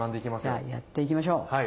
じゃあやっていきましょう。